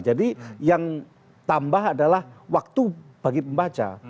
jadi yang tambah adalah waktu bagi pembaca